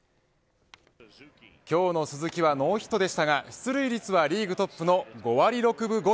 今日の鈴木はノーヒットでしたが出塁率はリーグトップの５割６分５厘。